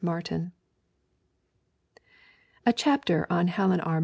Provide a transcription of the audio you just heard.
MARTIN A CHAPTER on Helen R.